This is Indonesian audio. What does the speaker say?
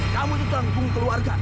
kamu itu tanggung keluarga